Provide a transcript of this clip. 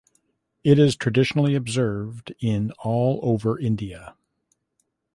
It is traditionally observed in all over India.